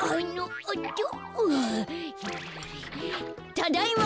ただいま。